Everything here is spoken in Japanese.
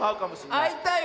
あいたいわ。